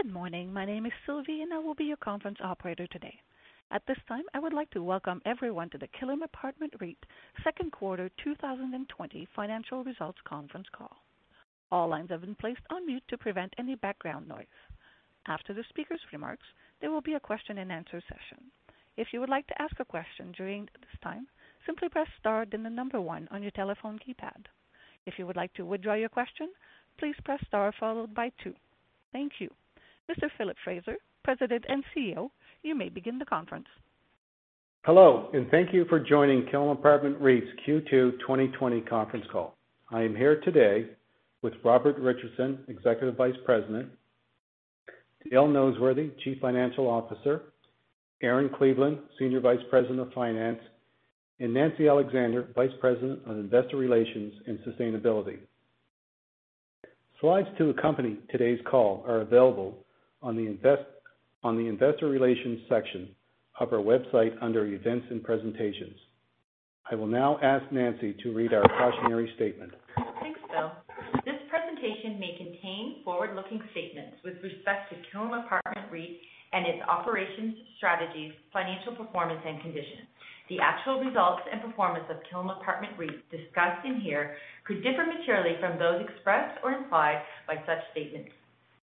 Good morning. My name is Sylvie, and I will be your conference operator today. At this time, I would like to welcome everyone to the Killam Apartment REIT second quarter 2020 financial results conference call. All lines have been placed on mute to prevent any background noise. After the speaker's remarks, there will be a question and answer session. If you would like to ask a question during this time, simply press star then the number one on your telephone keypad. If you would like to withdraw your question, please press star followed by two. Thank you. Mr. Philip Fraser, President and Chief Executive Officer, you may begin the conference. Hello, and thank you for joining Killam Apartment REIT's Q2 2020 conference call. I am here today with Robert Richardson, Executive Vice President, Dale Noseworthy, Chief Financial Officer, Erin Cleveland, Senior Vice President of Finance, and Nancy Alexander, Vice President of Investor Relations and Sustainability. Slides to accompany today's call are available on the investor relations section of our website under events and presentations. I will now ask Nancy Alexander to read our cautionary statement. Thanks, Philip. This presentation may contain forward-looking statements with respect to Killam Apartment REIT and its operations, strategies, financial performance, and conditions. The actual results and performance of Killam Apartment REIT discussed in here could differ materially from those expressed or implied by such statements.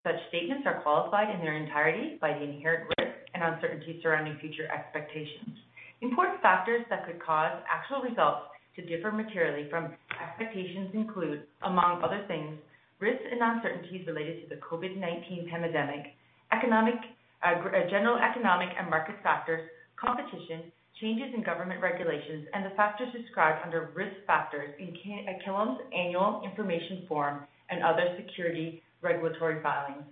Such statements are qualified in their entirety by the inherent risks and uncertainties surrounding future expectations. Important factors that could cause actual results to differ materially from expectations include, among other things, risks and uncertainties related to the COVID-19 pandemic, general economic and market factors, competition, changes in government regulations, and the factors described under Risk Factors in Killam's annual information form and other security regulatory filings.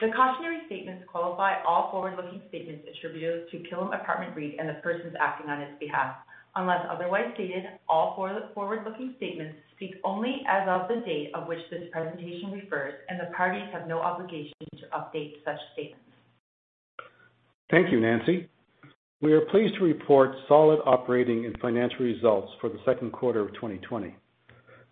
The cautionary statements qualify all forward-looking statements attributed to Killam Apartment REIT and the persons acting on its behalf. Unless otherwise stated, all forward-looking statements speak only as of the date of which this presentation refers, and the parties have no obligation to update such statements. Thank you, Nancy. We are pleased to report solid operating and financial results for the second quarter of 2020.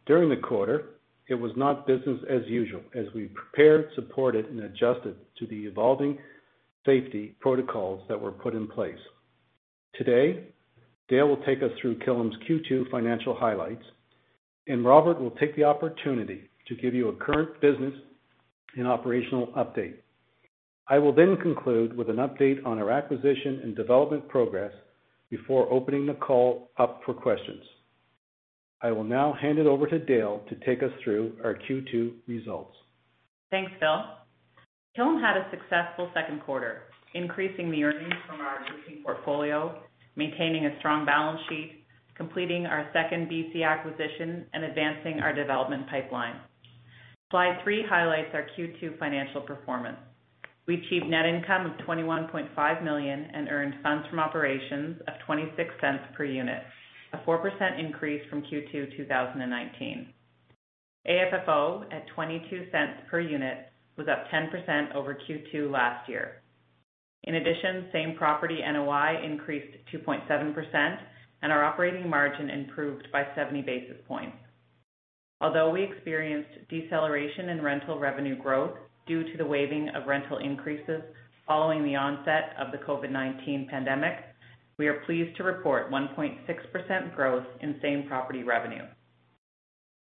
During the quarter, it was not business as usual, as we prepared, supported, and adjusted to the evolving safety protocols that were put in place. Today, Dale will take us through Killam's Q2 financial highlights, and Robert will take the opportunity to give you a current business and operational update. I will conclude with an update on our acquisition and development progress before opening the call up for questions. I will now hand it over to Dale Noseworthy to take us through our Q2 results. Thanks, Philip. Killam had a successful second quarter, increasing the earnings from our leasing portfolio, maintaining a strong balance sheet, completing our second B.C. acquisition, and advancing our development pipeline. Slide three highlights our Q2 financial performance. We achieved net income of CAD 21.5 million and earned funds from operations of 0.26 per unit, a 4% increase from Q2 2019. Adjusted Funds From Operations at 0.22 per unit was up 10% over Q2 last year. In addition, same property Net Operating Income increased 2.7%, and our operating margin improved by 70 basis points. Although we experienced deceleration in rental revenue growth due to the waiving of rental increases following the onset of the COVID-19 pandemic, we are pleased to report 1.6% growth in same property revenue.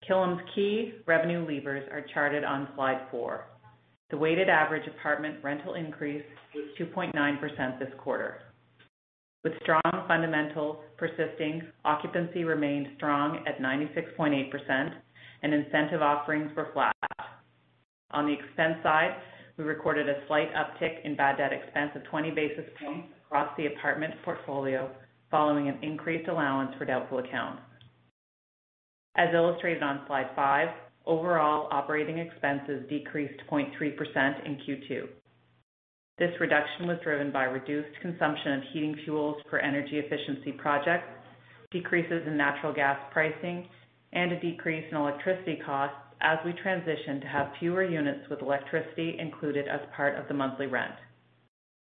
Killam's key revenue levers are charted on slide four. The weighted average apartment rental increase was 2.9% this quarter. With strong fundamentals persisting, occupancy remained strong at 96.8%, and incentive offerings were flat. On the expense side, we recorded a slight uptick in bad debt expense of 20 basis points across the apartment portfolio following an increased allowance for doubtful accounts. As illustrated on slide five, overall operating expenses decreased 0.3% in Q2. This reduction was driven by reduced consumption of heating fuels for energy efficiency projects, decreases in natural gas pricing, and a decrease in electricity costs as we transition to have fewer units with electricity included as part of the monthly rent.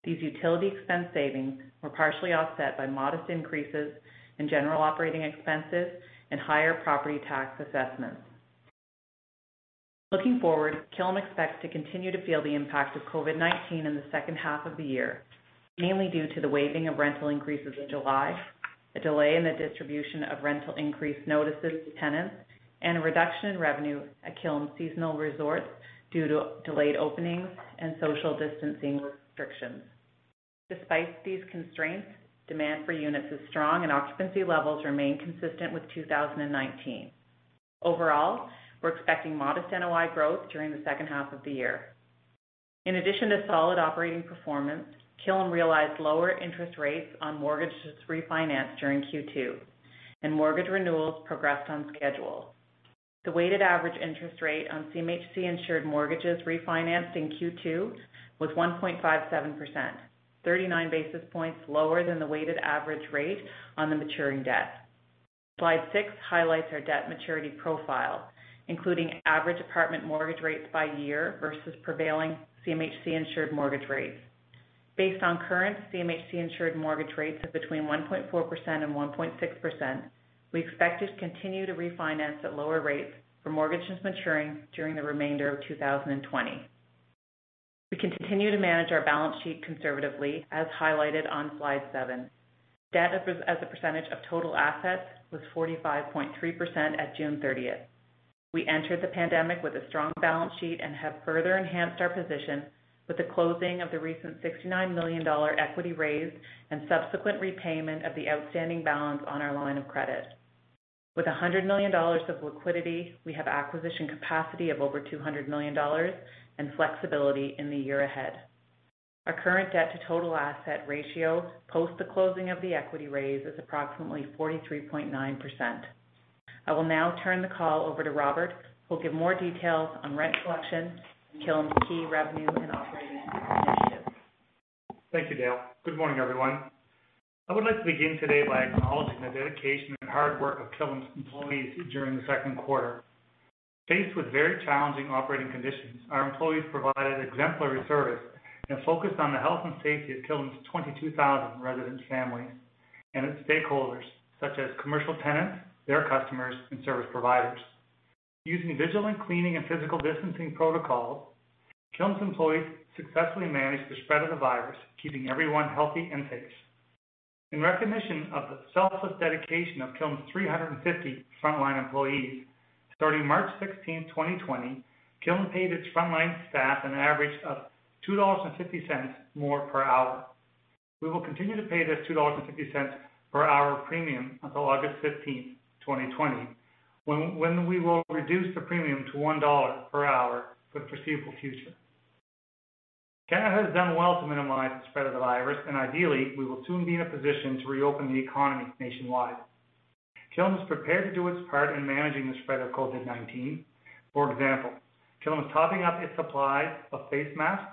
These utility expense savings were partially offset by modest increases in general operating expenses and higher property tax assessments. Looking forward, Killam expects to continue to feel the impact of COVID-19 in the second half of the year, mainly due to the waiving of rental increases in July, a delay in the distribution of rental increase notices to tenants, and a reduction in revenue at Killam seasonal resorts due to delayed openings and social distancing restrictions. Despite these constraints, demand for units is strong, and occupancy levels remain consistent with 2019. Overall, we're expecting modest NOI growth during the second half of the year. In addition to solid operating performance, Killam realized lower interest rates on mortgages refinanced during Q2, and mortgage renewals progressed on schedule. The weighted average interest rate on Canada Mortgage and Housing Corporation-insured mortgages refinanced in Q2 was 1.57%, 39 basis points lower than the weighted average rate on the maturing debt. Slide six highlights our debt maturity profile, including average apartment mortgage rates by year versus prevailing CMHC-insured mortgage rates. Based on current CMHC insured mortgage rates of between 1.4% and 1.6%, we expect to continue to refinance at lower rates for mortgages maturing during the remainder of 2020. We continue to manage our balance sheet conservatively, as highlighted on slide seven. Debt as a percentage of total assets was 45.3% at June 30th. We entered the pandemic with a strong balance sheet and have further enhanced our position with the closing of the recent 69 million dollar equity raise and subsequent repayment of the outstanding balance on our line of credit. With 100 million dollars of liquidity, we have acquisition capacity of over 200 million dollars and flexibility in the year ahead. Our current debt to total asset ratio, post the closing of the equity raise, is approximately 43.9%. I will now turn the call over to Robert Richardson, who will give more details on rent collection, Killam's key revenue and operating initiatives. Thank you, Dale. Good morning, everyone. I would like to begin today by acknowledging the dedication and hard work of Killam's employees during the second quarter. Faced with very challenging operating conditions, our employees provided exemplary service and focused on the health and safety of Killam's 22,000 resident families, and its stakeholders such as commercial tenants, their customers, and service providers. Using vigilant cleaning and physical distancing protocols, Killam's employees successfully managed the spread of the virus, keeping everyone healthy and safe. In recognition of the selfless dedication of Killam's 350 frontline employees, starting March 16th, 2020, Killam paid its frontline staff an average of 2.50 dollars more per hour. We will continue to pay this 2.50 dollars per hour premium until August 15th, 2020, when we will reduce the premium to 1 dollar per hour for the foreseeable future. Canada has done well to minimize the spread of the virus, and ideally, we will soon be in a position to reopen the economy nationwide. Killam is prepared to do its part in managing the spread of COVID-19. For example, Killam is topping up its supply of face masks,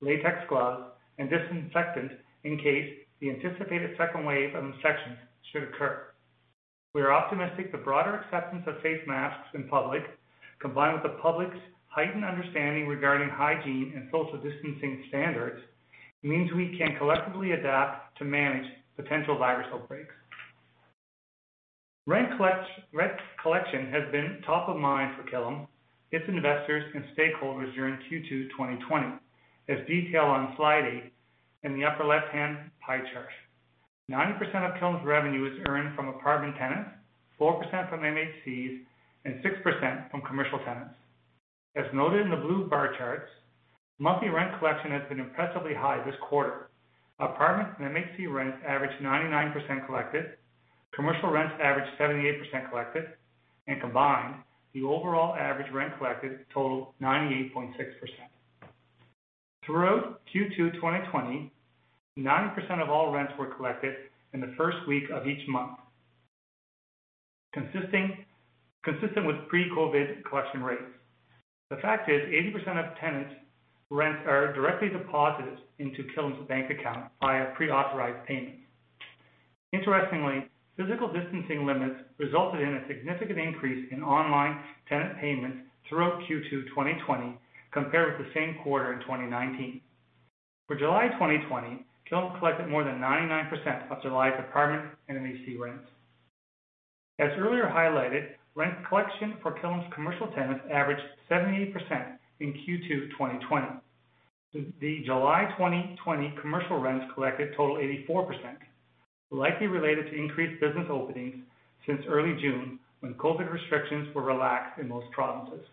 latex gloves, and disinfectant in case the anticipated second wave infections should occur. We are optimistic the broader acceptance of face masks in public, combined with the public's heightened understanding regarding hygiene and social distancing standards, means we can collectively adapt to manage potential virus outbreaks. Rent collection has been top of mind for Killam, its investors, and stakeholders during Q2 2020. As detailed on slide eight in the upper left-hand pie chart. 90% of Killam's revenue is earned from apartment tenants, 4% from Manufactured Home Communities, and 6% from commercial tenants. As noted in the blue bar charts, monthly rent collection has been impressively high this quarter. Apartment MHC rents average 99% collected, commercial rents average 78% collected, and combined, the overall average rent collected totaled 98.6%. Throughout Q2 2020, 90% of all rents were collected in the first week of each month, consistent with pre-COVID collection rates. The fact is, 80% of tenants' rents are directly deposited into Killam's bank account via pre-authorized payments. Interestingly, physical distancing limits resulted in a significant increase in online tenant payments throughout Q2 2020 compared with the same quarter in 2019. For July 2020, Killam collected more than 99% of July's apartment and MHC rents. As earlier highlighted, rent collection for Killam's commercial tenants averaged 78% in Q2 2020. The July 2020 commercial rents collected total 84%, likely related to increased business openings since early June, when COVID restrictions were relaxed in most provinces.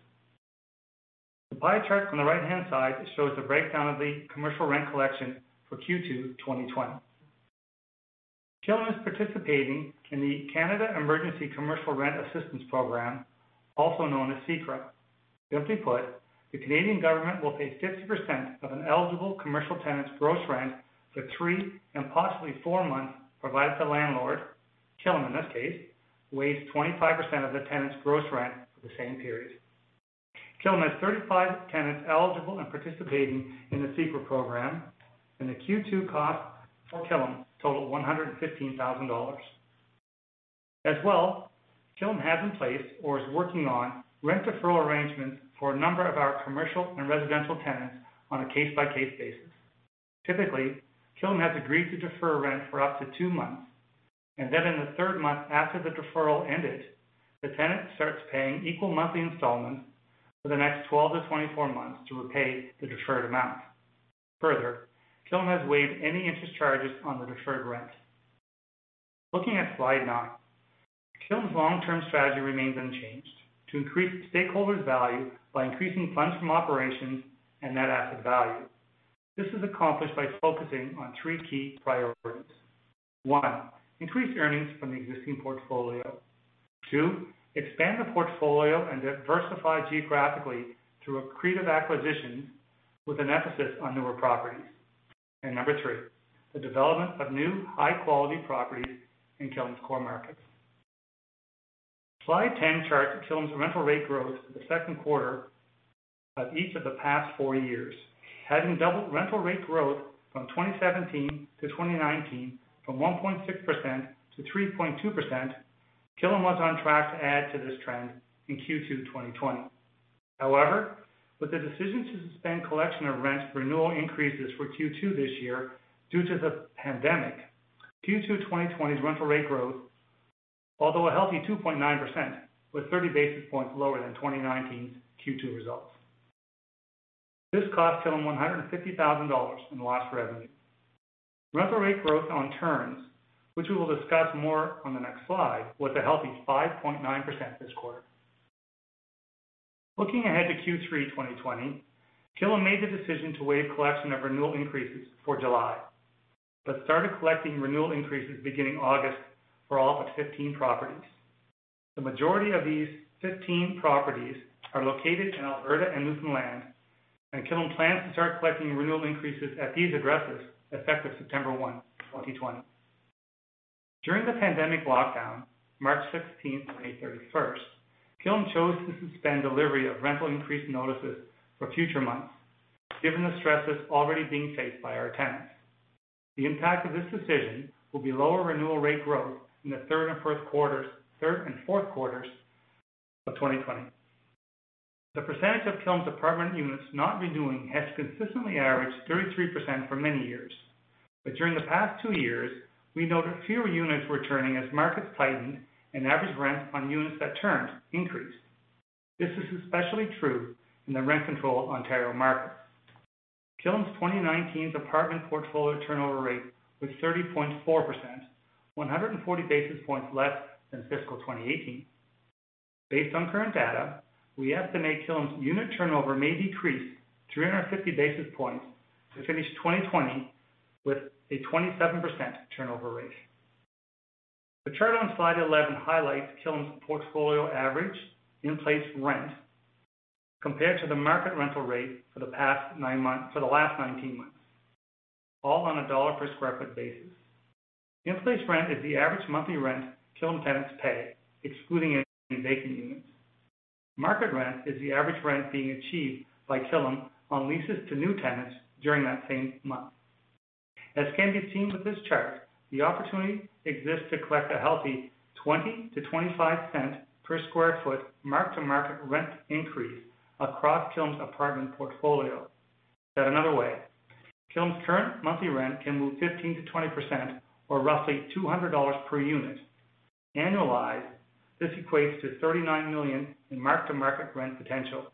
The pie chart on the right-hand side shows a breakdown of the commercial rent collection for Q2 2020. Killam is participating in the Canada Emergency Commercial Rent Assistance Program, also known as CECRA. Simply put, the Canadian government will pay 50% of an eligible commercial tenant's gross rent for three and possibly four months, provided the landlord, Killam, in this case, waives 25% of the tenant's gross rent for the same period. Killam has 35 tenants eligible and participating in the CECRA program, and the Q2 cost for Killam total 115,000 dollars. As well, Killam has in place or is working on rent deferral arrangements for a number of our commercial and residential tenants on a case-by-case basis. Typically, Killam has agreed to defer rent for up to two months, then in the third month after the deferral ended, the tenant starts paying equal monthly installments for the next 12-24 months to repay the deferred amount. Further, Killam has waived any interest charges on the deferred rent. Looking at slide nine, Killam's long-term strategy remains unchanged: to increase stakeholder value by increasing funds from operations and net asset value. This is accomplished by focusing on three key priorities. One, increase earnings from the existing portfolio. Two, expand the portfolio and diversify geographically through accretive acquisitions with an emphasis on newer properties. Number three, the development of new high-quality properties in Killam's core markets. Slide 10 charts Killam's rental rate growth for the second quarter of each of the past four years. Having doubled rental rate growth from 2017 to 2019, from 1.6% to 3.2%, Killam was on track to add to this trend in Q2 2020. However, with the decision to suspend collection of rent renewal increases for Q2 this year due to the pandemic, Q2 2020 rental rate growth, although a healthy 2.9%, was 30 basis points lower than 2019's Q2 results. This cost Killam 150,000 dollars in lost revenue. Rental rate growth on turns, which we will discuss more on the next slide, was a healthy 5.9% this quarter. Looking ahead to Q3 2020, Killam made the decision to waive collection of renewal increases for July, but started collecting renewal increases beginning August for all but 15 properties. The majority of these 15 properties are located in Alberta and Newfoundland, and Killam plans to start collecting renewal increases at these addresses effective September 1, 2020. During the pandemic lockdown, March 16 to May 31, Killam chose to suspend delivery of rental increase notices for future months, given the stresses already being faced by our tenants. The impact of this decision will be lower renewal rate growth in the third and fourth quarters of 2020. The percentage of Killam's apartment units not renewing has consistently averaged 33% for many years. During the past two years, we noted fewer units were turning as markets tightened and average rent on units that turned, increased. This is especially true in the rent-controlled Ontario markets. Killam's 2019 apartment portfolio turnover rate was 30.4%, 140 basis points less than fiscal 2018. Based on current data, we estimate Killam's unit turnover may decrease 350 basis points to finish 2020 with a 27% turnover rate. The chart on slide 11 highlights Killam's portfolio average in-place rent compared to the market rental rate for the last 19 months, all on a dollar per square foot basis. In-place rent is the average monthly rent Killam tenants pay, excluding any vacant units. Market rent is the average rent being achieved by Killam on leases to new tenants during that same month. As can be seen with this chart, the opportunity exists to collect a healthy 0.20-0.25 per square foot mark-to-market rent increase across Killam's apartment portfolio. Said another way, Killam's current monthly rent can move 15%-20% or roughly 200 dollars per unit. Annualized, this equates to 39 million in mark-to-market rent potential.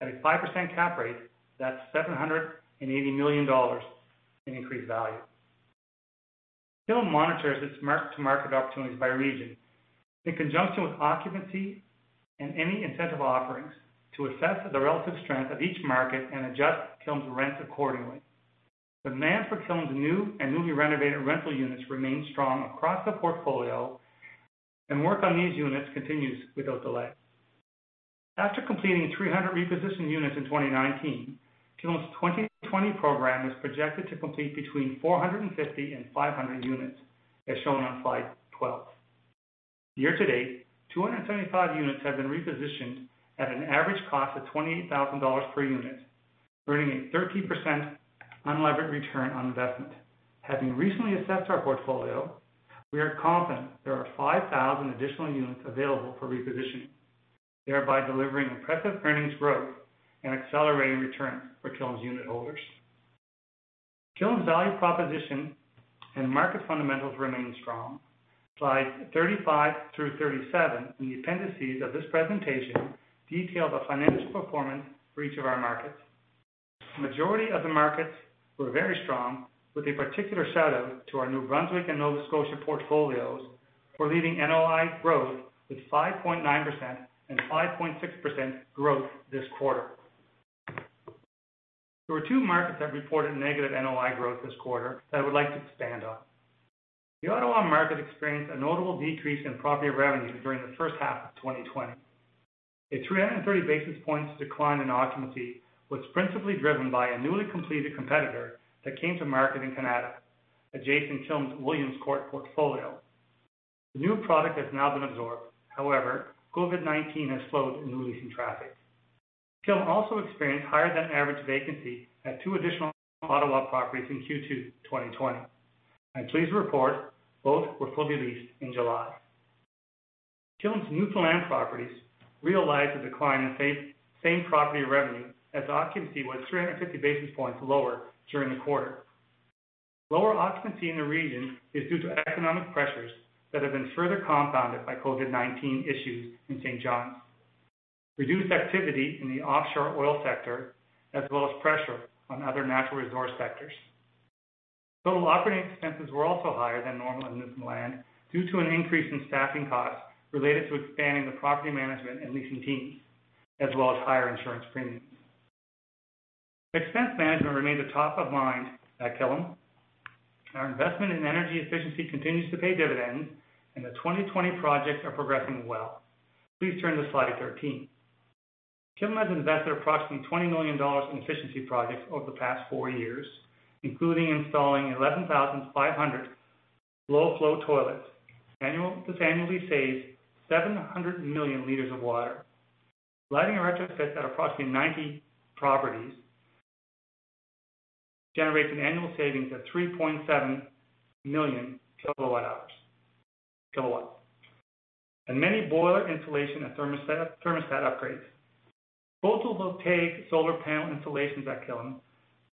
At a 5% cap rate, that's 780 million dollars in increased value. Killam monitors its mark-to-market opportunities by region in conjunction with occupancy and any incentive offerings to assess the relative strength of each market and adjust Killam's rent accordingly. Demand for Killam's new and newly renovated rental units remains strong across the portfolio, and work on these units continues without delay. After completing 300 reposition units in 2019, Killam's 2020 program is projected to complete between 450 and 500 units, as shown on slide 12. Year to date, 275 units have been repositioned at an average cost of 28,000 dollars per unit, earning a 30% unlevered return on investment. Having recently assessed our portfolio, we are confident there are 5,000 additional units available for repositioning, thereby delivering impressive earnings growth and accelerating returns for Killam's unitholders. Killam's value proposition and market fundamentals remain strong. Slides 35 through 37 in the appendices of this presentation detail the financial performance for each of our markets. The majority of the markets were very strong, with a particular shout-out to our New Brunswick and Nova Scotia portfolios for leading NOI growth with 5.9% and 5.6% growth this quarter. There were two markets that reported negative NOI growth this quarter that I would like to expand on. The Ottawa market experienced a notable decrease in property revenue during the first half of 2020. A 330 basis points decline in occupancy was principally driven by a newly completed competitor that came to market in Canada, adjacent Killam's William's Court portfolio. The new product has now been absorbed. COVID-19 has slowed the new leasing traffic. Killam also experienced higher than average vacancy at two additional Ottawa properties in Q2 2020. I'm pleased to report both were fully leased in July. Killam's Newfoundland properties realized a decline in same-property revenue as occupancy was 350 basis points lower during the quarter. Lower occupancy in the region is due to economic pressures that have been further compounded by COVID-19 issues in St. John's, reduced activity in the offshore oil sector, as well as pressure on other natural resource sectors. Total operating expenses were also higher than normal in Newfoundland due to an increase in staffing costs related to expanding the property management and leasing teams, as well as higher insurance premiums. Expense management remains a top of mind at Killam, and our investment in energy efficiency continues to pay dividends, and the 2020 projects are progressing well. Please turn to slide 13. Killam has invested approximately 20 million dollars in efficiency projects over the past four years, including installing 11,500 low-flow toilets. This annually saves 700 million liters of water. Lighting retrofits at approximately 90 properties generates an annual savings of 3.7 million kilowatt hours, and many boiler installation and thermostat upgrades. Photovoltaic solar panel installations at Killam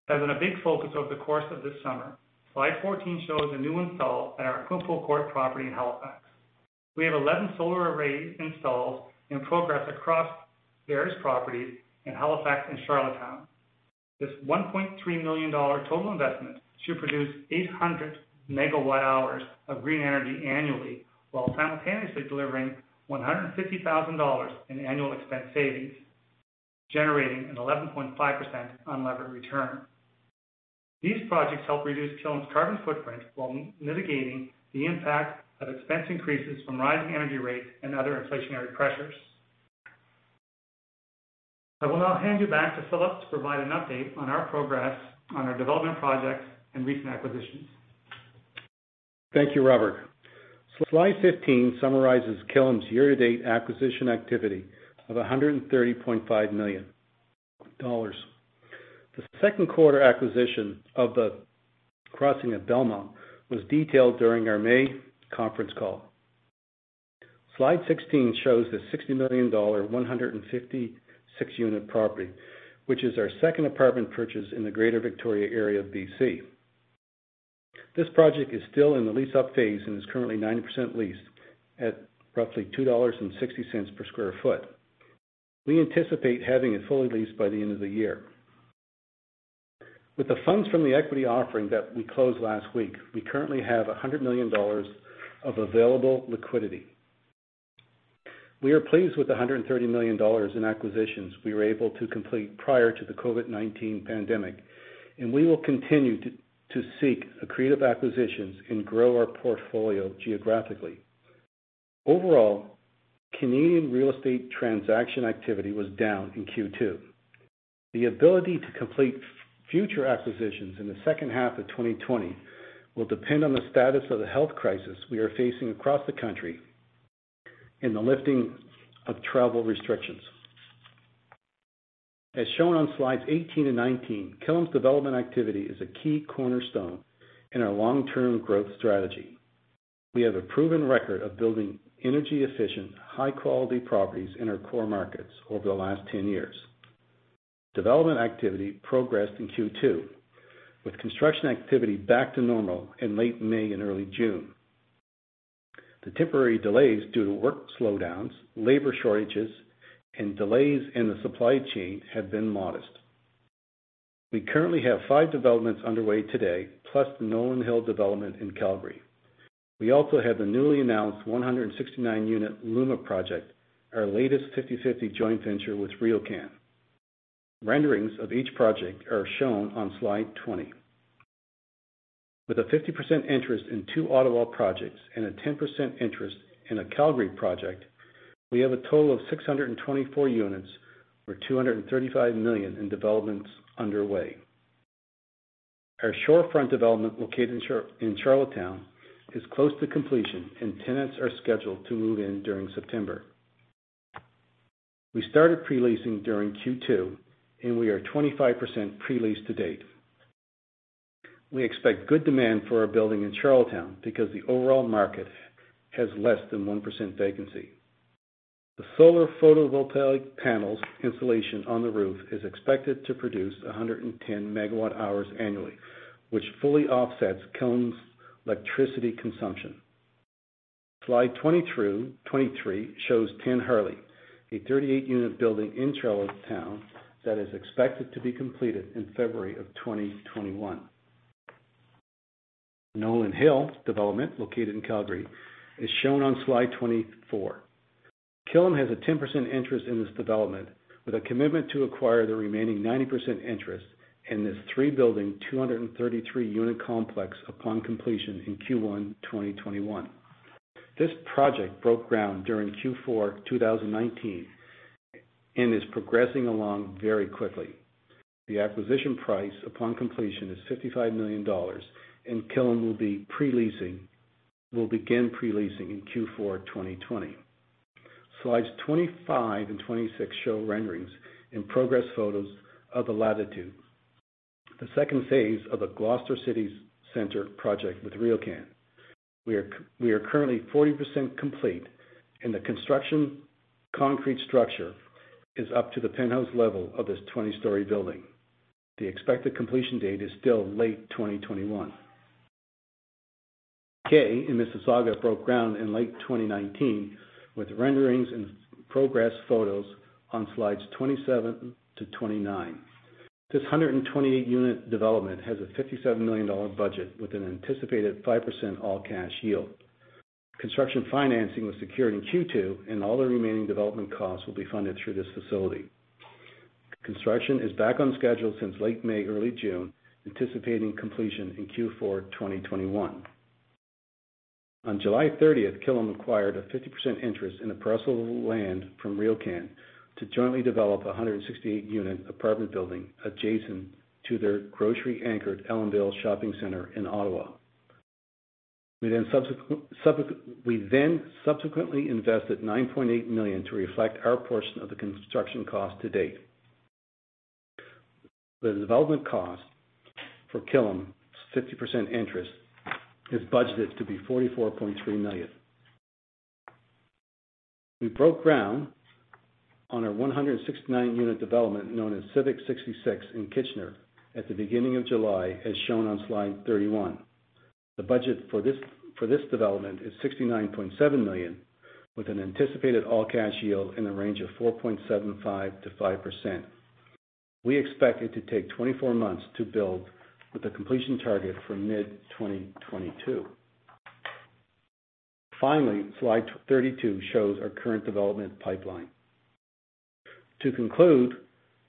has been a big focus over the course of this summer. Slide 14 shows a new install at our Kemptville Court property in Halifax. We have 11 solar arrays installed in progress across various properties in Halifax and Charlottetown. This 1.3 million dollar total investment should produce 800 MWh of green energy annually while simultaneously delivering 150,000 dollars in annual expense savings, generating an 11.5% unlevered return. These projects help reduce Killam's carbon footprint while mitigating the impact of expense increases from rising energy rates and other inflationary pressures. I will now hand you back to Philip to provide an update on our progress on our development projects and recent acquisitions. Thank you, Robert. Slide 15 summarizes Killam's year-to-date acquisition activity of 130.5 million dollars. The second quarter acquisition of The Crossing at Belmont was detailed during our May conference call. Slide 16 shows the 60 million dollar 156 unit property, which is our second apartment purchase in the Greater Victoria area of B.C. This project is still in the lease-up phase and is currently 90% leased at roughly 2.60 dollars per square foot. We anticipate having it fully leased by the end of the year. With the funds from the equity offering that we closed last week, we currently have 100 million dollars of available liquidity. We are pleased with the 130 million dollars in acquisitions we were able to complete prior to the COVID-19 pandemic. We will continue to seek accretive acquisitions and grow our portfolio geographically. Overall, Canadian real estate transaction activity was down in Q2. The ability to complete future acquisitions in the second half of 2020 will depend on the status of the health crisis we are facing across the country and the lifting of travel restrictions. As shown on slides 18 and 19, Killam's development activity is a key cornerstone in our long-term growth strategy. We have a proven record of building energy-efficient, high-quality properties in our core markets over the last 10 years. Development activity progressed in Q2, with construction activity back to normal in late May and early June. The temporary delays due to work slowdowns, labor shortages, and delays in the supply chain have been modest. We currently have five developments underway today, plus the Nolan Hill development in Calgary. We also have the newly announced 169-unit Luma project, our latest 50/50 joint venture with RioCan. Renderings of each project are shown on slide 20. With a 50% interest in two Ottawa projects and a 10% interest in a Calgary project, we have a total of 624 units or 235 million in developments underway. Our Shorefront development located in Charlottetown is close to completion, and tenants are scheduled to move in during September. We started pre-leasing during Q2, and we are 25% pre-leased to date. We expect good demand for our building in Charlottetown because the overall market has less than 1% vacancy. The solar photovoltaic panels installation on the roof is expected to produce 110 MWh annually, which fully offsets Killam's electricity consumption. Slide 23 shows 10 Hurley, a 38-unit building in Charlottetown that is expected to be completed in February of 2021. Nolan Hill development, located in Calgary, is shown on Slide 24. Killam has a 10% interest in this development, with a commitment to acquire the remaining 90% interest in this three-building, 233-unit complex upon completion in Q1 2021. This project broke ground during Q4 2019 and is progressing along very quickly. The acquisition price upon completion is 55 million dollars, and Killam will begin pre-leasing in Q4 2020. Slides 25 and 26 show renderings and progress photos of The Latitude, the second phase of the Gloucester City Centre project with RioCan. We are currently 40% complete, and the construction concrete structure is up to the penthouse level of this 20-story building. The expected completion date is still late 2021. Kay in Mississauga broke ground in late 2019, with renderings and progress photos on slides 27 to 29. This 128-unit development has a 57 million dollar budget with an anticipated 5% all-cash yield. Construction financing was secured in Q2, and all the remaining development costs will be funded through this facility. Construction is back on schedule since late May, early June, anticipating completion in Q4 2021. On July 30th, Killam acquired a 50% interest in a parcel of land from RioCan to jointly develop 168-unit apartment building adjacent to their grocery-anchored Elmvale Shopping Centre in Ottawa. We then subsequently invested 9.8 million to reflect our portion of the construction cost to date. The development cost for Killam's 50% interest is budgeted to be 44.3 million.. We broke ground on our 169-unit development known as Civic 66 in Kitchener at the beginning of July, as shown on slide 31. The budget for this development is 69.7 million, with an anticipated all-cash yield in the range of 4.75%-5%. We expect it to take 24 months to build with a completion target for mid-2022. Slide 32 shows our current development pipeline. To conclude,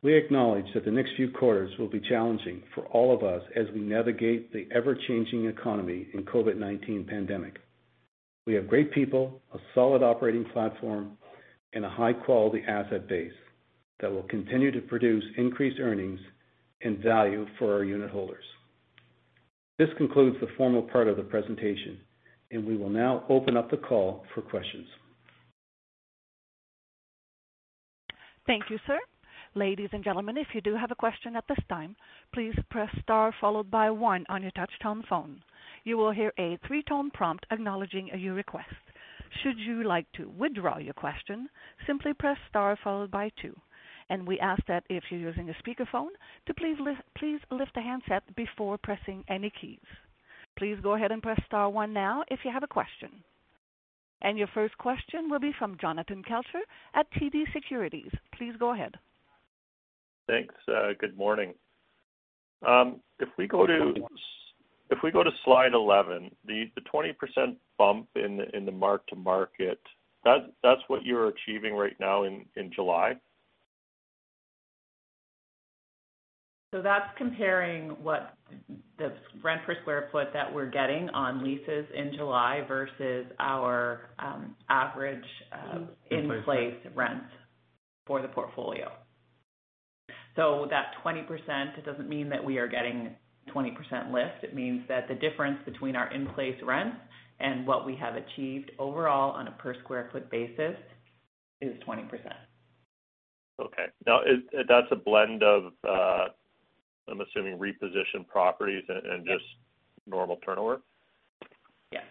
we acknowledge that the next few quarters will be challenging for all of us as we navigate the ever-changing economy and COVID-19 pandemic. We have great people, a solid operating platform, and a high-quality asset base that will continue to produce increased earnings and value for our unit holders. This concludes the formal part of the presentation, and we will now open up the call for questions. Thank you, sir. Ladies and gentlemen, if you do have a question at this time, please press star followed by one on your touch-tone phone. You will hear a three-tone prompt acknowledging your request. Should you like to withdraw your question, simply press star followed by two. We ask that if you're using a speakerphone, to please lift the handset before pressing any keys. Please go ahead and press star one now if you have a question. Your first question will be from Jonathan Kelcher at TD Securities. Please go ahead. Thanks. Good morning. If we go to slide 11, the 20% bump in the mark to market, that's what you're achieving right now in July? That's comparing what the rent per square foot that we're getting on leases in July versus our average in-place rent for the portfolio. That 20%, it doesn't mean that we are getting 20% lift. It means that the difference between our in-place rent and what we have achieved overall on a per square foot basis is 20%. Okay. Now that's a blend of, I'm assuming, reposition properties and just normal turnover? Yes.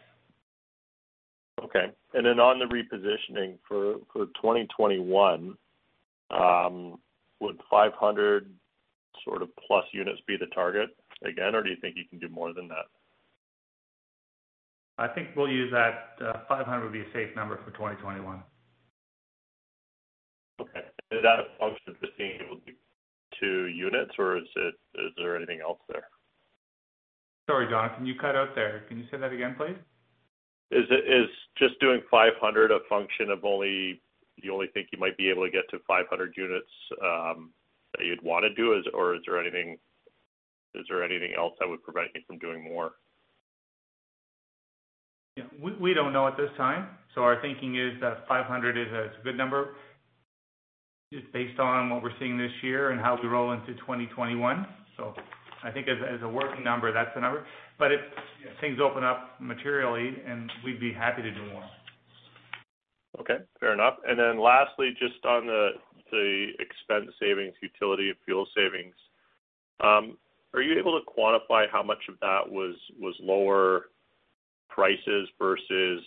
Okay. Then on the repositioning for 2021, would 500 units be the target again, or do you think you can do more than that? I think we'll use that 500 would be a safe number for 2021. Okay. Is that a function of just being able to do units, or is there anything else there? Sorry, Jonathan, you cut out there. Can you say that again, please? Is just doing 500 a function of you only think you might be able to get to 500 units that you'd want to do? Or is there anything else that would prevent you from doing more? We don't know at this time. Our thinking is that 500 is a good number just based on what we're seeing this year and how we roll into 2021. I think as a working number, that's the number. If things open up materially, we'd be happy to do more. Okay, fair enough. Lastly, just on the expense savings, utility and fuel savings, are you able to quantify how much of that was lower prices versus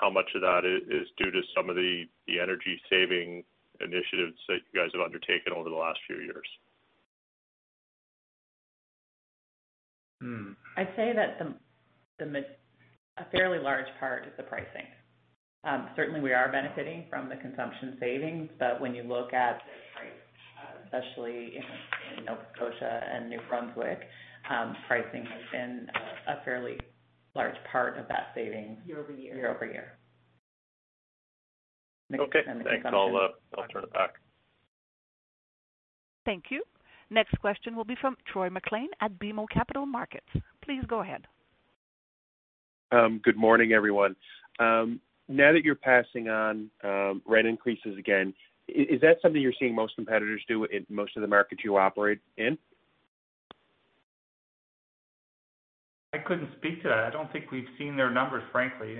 how much of that is due to some of the energy-saving initiatives that you guys have undertaken over the last few years? I'd say that a fairly large part is the pricing. Certainly, we are benefiting from the consumption savings. When you look at the price, especially in Nova Scotia and New Brunswick, pricing has been a fairly large part of that saving year-over-year. Okay, thanks. I'll turn it back. Thank you. Next question will be from Joanne Chen at BMO Capital Markets. Please go ahead. Good morning, everyone. Now that you're passing on rent increases again, is that something you're seeing most competitors do in most of the markets you operate in? I couldn't speak to that. I don't think we've seen their numbers, frankly.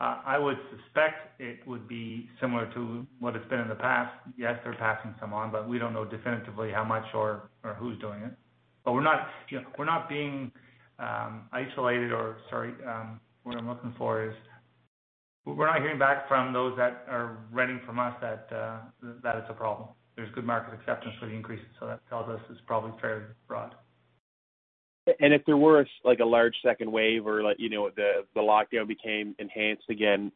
I would suspect it would be similar to what it's been in the past. Yes, they're passing some on, but we don't know definitively how much or who's doing it. We're not being isolated or Sorry, what I'm looking for is we're not hearing back from those that are renting from us that it's a problem. There's good market acceptance for the increases, so that tells us it's probably fairly broad. If there were a large second wave or the lockdown became enhanced again,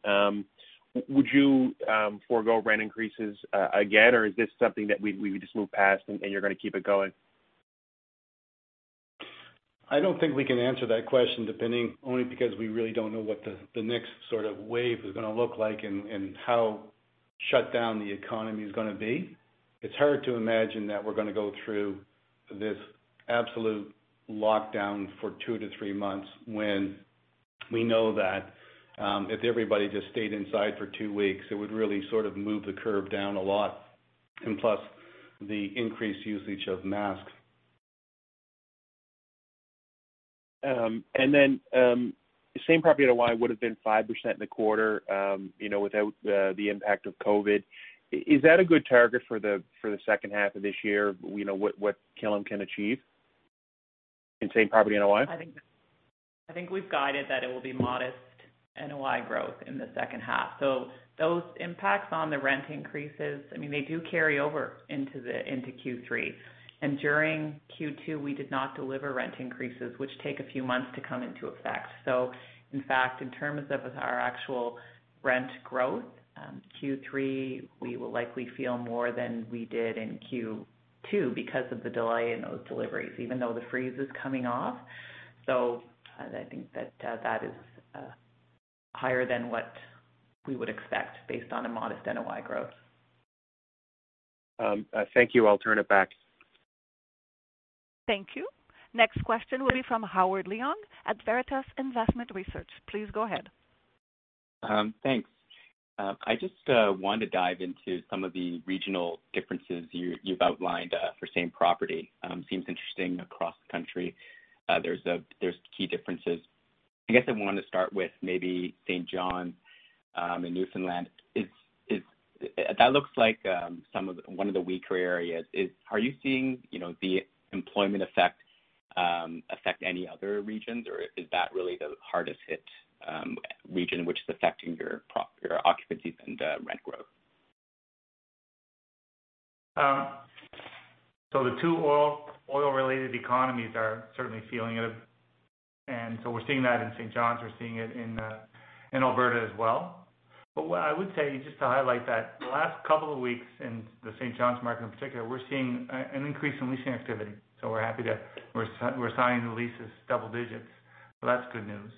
would you forgo rent increases again, or is this something that we just move past and you're going to keep it going? I don't think we can answer that question depending only because we really don't know what the next sort of wave is going to look like and how shut down the economy is going to be. It's hard to imagine that we're going to go through this absolute lockdown for two to three months when we know that if everybody just stayed inside for two weeks, it would really sort of move the curve down a lot. Plus the increased usage of masks. Same property NOI would have been 5% in the quarter without the impact of COVID. Is that a good target for the second half of this year? What Killam can achieve in same property NOI? I think we've guided that it will be modest NOI growth in the second half. Those impacts on the rent increases, they do carry over into Q3. During Q2, we did not deliver rent increases, which take a few months to come into effect. In fact, in terms of our actual rent growth, Q3, we will likely feel more than we did in Q2 because of the delay in those deliveries, even though the freeze is coming off. I think that is higher than what we would expect based on a modest NOI growth. Thank you. I'll turn it back. Thank you. Next question will be from Howard Leung at Veritas Investment Research. Please go ahead. Thanks. I just wanted to dive into some of the regional differences you've outlined for same property. Seems interesting across the country. There's key differences. I guess I wanted to start with maybe St. John's in Newfoundland. That looks like one of the weaker areas. Are you seeing the employment affect any other regions, or is that really the hardest hit region which is affecting your occupancies and rent growth? The two oil-related economies are certainly feeling it. We're seeing that in St. John's. We're seeing it in Alberta as well. What I would say, just to highlight that the last couple of weeks in the St. John's market in particular, we're seeing an increase in leasing activity. We're happy that we're signing the leases double digits. That's good news,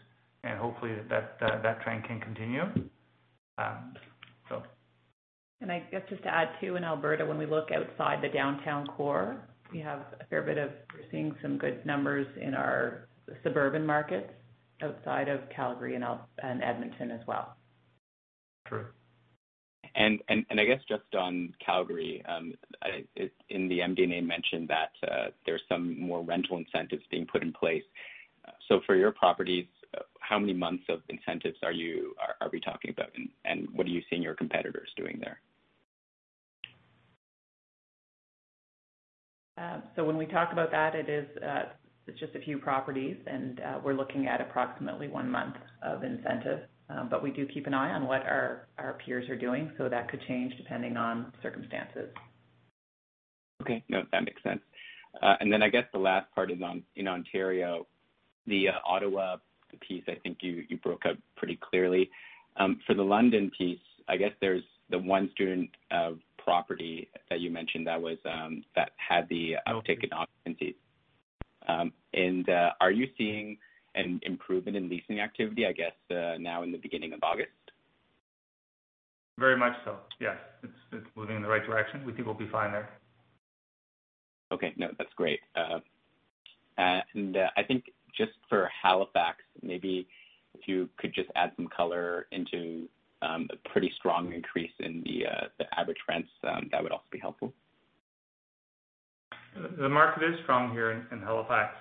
and hopefully that trend can continue. I guess just to add, too, in Alberta, when we look outside the downtown core, we're seeing some good numbers in our suburban markets outside of Calgary and Edmonton as well. True. I guess just on Calgary, in the MD&A mentioned that there is some more rental incentives being put in place. For your properties, how many months of incentives are we talking about, and what are you seeing your competitors doing there? When we talk about that, it's just a few properties, and we're looking at approximately one month of incentive. We do keep an eye on what our peers are doing, so that could change depending on circumstances. No, that makes sense. I guess the last part is in Ontario, the Ottawa piece, I think you broke out pretty clearly. For the London piece, I guess there's the one student property that you mentioned that had the uptick in occupancies. Are you seeing an improvement in leasing activity, I guess, now in the beginning of August? Very much so, yes. It's moving in the right direction. We think we'll be fine there. Okay. No, that's great. I think just for Halifax, maybe if you could just add some color into a pretty strong increase in the average rents, that would also be helpful. The market is strong here in Halifax,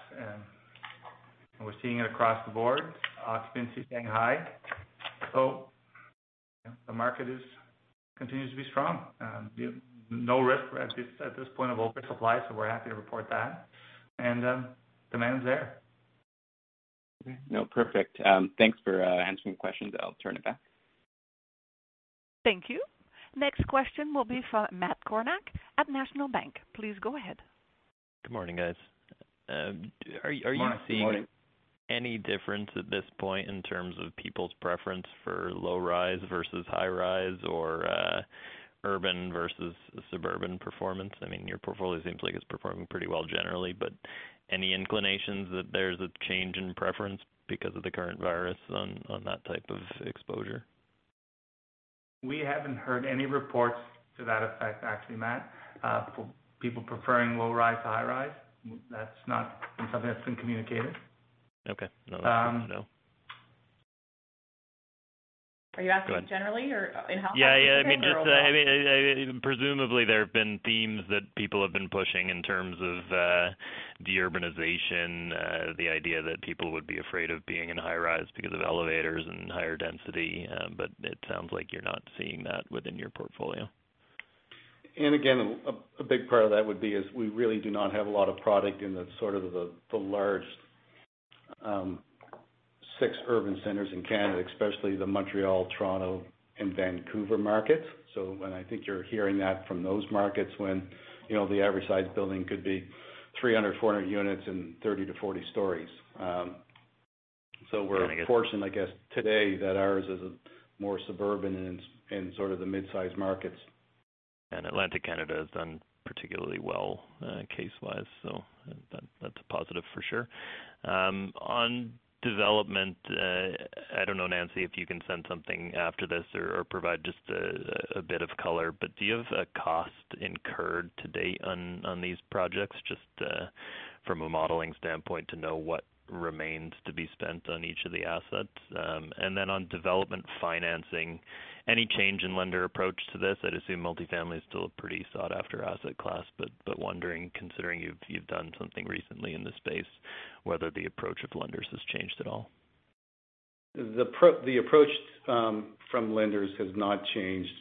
we're seeing it across the board, occupancy staying high. The market continues to be strong. No risk at this point of oversupply, we're happy to report that. Demand is there. Okay. No, perfect. Thanks for answering the questions. I'll turn it back. Thank you. Next question will be from Matt Kornack at National Bank. Please go ahead. Good morning, guys. Morning. Good morning. Are you seeing any difference at this point in terms of people's preference for low-rise versus high-rise or urban versus suburban performance? Your portfolio seems like it's performing pretty well generally, but any inclinations that there's a change in preference because of the current virus on that type of exposure? We haven't heard any reports to that effect, actually, Matt. People preferring low-rise to high-rise. That's not something that's been communicated. Okay. No, that's fair. No. Are you asking generally or in Halifax specifically or overall? Yeah. Presumably, there have been themes that people have been pushing in terms of de-urbanization, the idea that people would be afraid of being in high-rise because of elevators and higher density. It sounds like you're not seeing that within your portfolio. Again, a big part of that would be is we really do not have a lot of product in the sort of the large six urban centers in Canada, especially the Montreal, Toronto, and Vancouver markets. When I think you're hearing that from those markets when the average size building could be 300, 400 units and 30-40 stories. We're fortunate, I guess, today that ours is more suburban and sort of the mid-size markets. Atlantic Canada has done particularly well case-wise, so that's a positive for sure. On development, I don't know, Nancy, if you can send something after this or provide just a bit of color, but do you have a cost incurred to date on these projects? From a modeling standpoint, to know what remains to be spent on each of the assets. Then on development financing, any change in lender approach to this? I'd assume multifamily is still a pretty sought-after asset class, but wondering, considering you've done something recently in this space, whether the approach of lenders has changed at all. The approach from lenders has not changed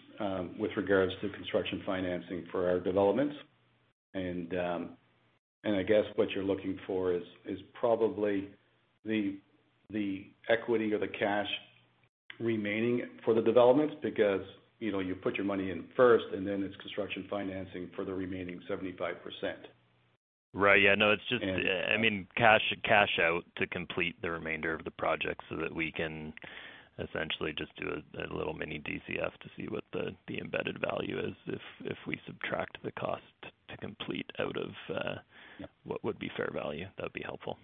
with regards to construction financing for our developments. I guess what you're looking for is probably the equity or the cash remaining for the developments. Because you put your money in first, and then it's construction financing for the remaining 75%. Right. Yeah, no cash out to complete the remainder of the project so that we can essentially just do a little mini DCF to see what the embedded value is, if we subtract the cost to complete out of what would be fair value. That would be helpful.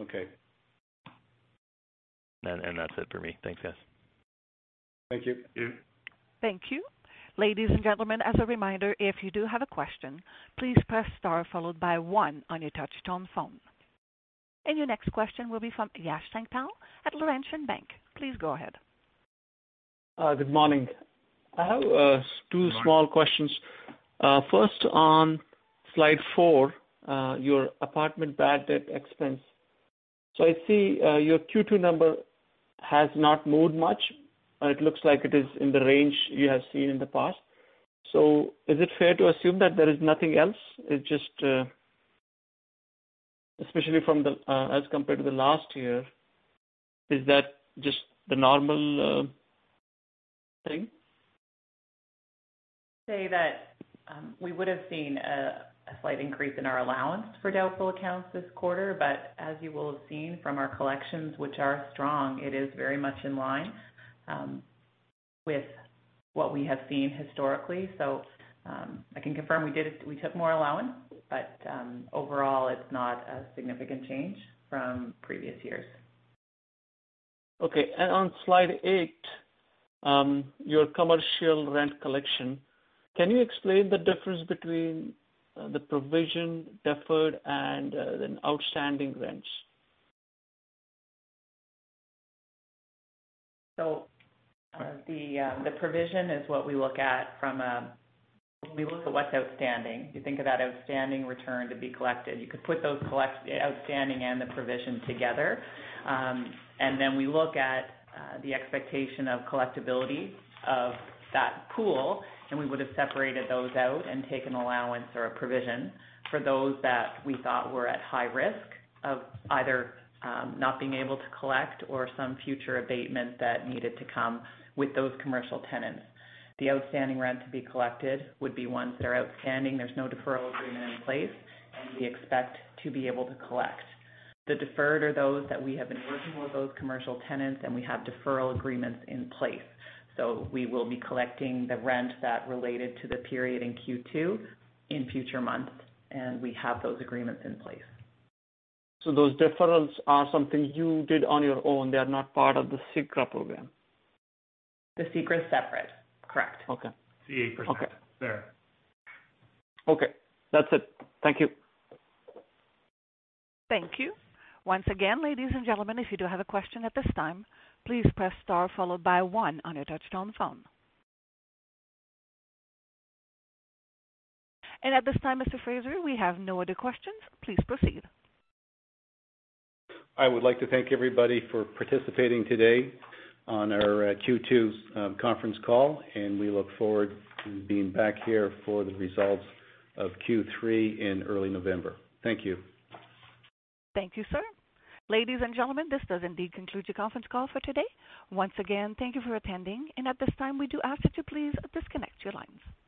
Okay. That's it for me. Thanks, guys. Thank you. Thank you. Ladies and gentlemen, as a reminder, if you do have a question, please press star followed by one on your touchtone phone. Your next question will be from Yash Sankpal at Laurentian Bank. Please go ahead. Good morning. I have two small questions. First, on slide four, your apartment bad debt expense. I see your Q2 number has not moved much. It looks like it is in the range you have seen in the past. Is it fair to assume that there is nothing else? Especially as compared to the last year, is that just the normal thing? Say that we would've seen a slight increase in our allowance for doubtful accounts this quarter. As you will have seen from our collections, which are strong, it is very much in line with what we have seen historically. I can confirm we took more allowance, but overall it's not a significant change from previous years. Okay. On slide eight, your commercial rent collection, can you explain the difference between the provision deferred and then outstanding rents? The provision is what we look at. We look at what's outstanding. You think of that outstanding return to be collected. You could put those outstanding and the provision together. We look at the expectation of collectibility of that pool, and we would've separated those out and taken allowance or a provision for those that we thought were at high risk of either not being able to collect or some future abatement that needed to come with those commercial tenants. The outstanding rent to be collected would be ones that are outstanding. There's no deferral agreement in place, and we expect to be able to collect. The deferred are those that we have been working with those commercial tenants, and we have deferral agreements in place. We will be collecting the rent that related to the period in Q2 in future months, and we have those agreements in place. Those deferrals are something you did on your own. They are not part of the CECRA program. The CECRA's separate. Correct. Okay. It's 80%. Okay. Fair. Okay. That's it. Thank you. Thank you. Once again ladies and gentlemen, if you have a question at this time, please press star followed by one on your touchtone phone. At this time, Mr. Fraser, we have no other questions. Please proceed. I would like to thank everybody for participating today on our Q2 conference call, and we look forward to being back here for the results of Q3 in early November. Thank you. Thank you, sir. Ladies and gentlemen, this does indeed conclude your conference call for today. Once again, thank you for attending. At this time, we do ask that you please disconnect your lines.